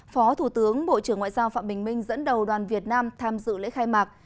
phó thủ tướng bộ trưởng ngoại giao phạm bình minh dẫn đầu đoàn việt nam tham dự lễ khai mạc